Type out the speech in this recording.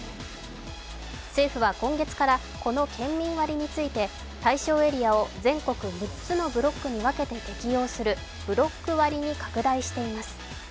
政府は今月からこの県民割について対象エリアを全国６つのブロックに分けて適用するブロック割に拡大しています。